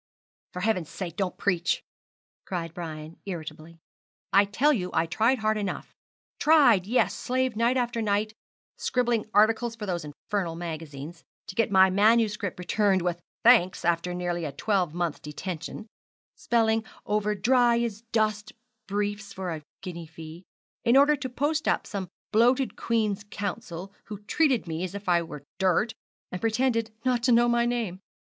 'For Heaven's sake, don't preach!' cried Brian, irritably. I tell you I tried hard enough; tried yes, slaved night after night; scribbling articles for those infernal magazines, to get my manuscript returned with thanks after nearly a twelve month's detention; spelling over dry as dust briefs for a guinea fee, in order to post up some bloated Queen's Counsel, who treated me as if I were dirt, and pretended not to know my name.